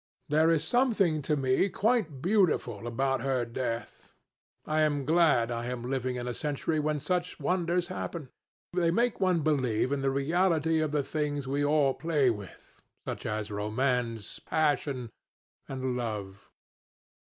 There is something to me quite beautiful about her death. I am glad I am living in a century when such wonders happen. They make one believe in the reality of the things we all play with, such as romance, passion, and love."